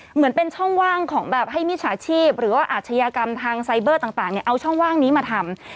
เหมือนเป็นช่องว่างของแบบให้มิจฉาชีพหรือว่าอาชญากรรมทางไซเบอร์ต่างเอาช่องว่างนี้มาทำ